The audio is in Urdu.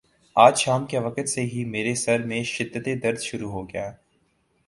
آج شام کے وقت سے ہی میرے سر میں شدد درد شروع ہو گیا۔